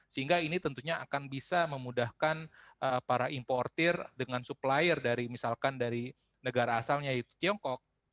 sehingga ini tentunya akan bisa memudahkan para importer dengan supplier dari misalkan dari negara asalnya yaitu tiongkok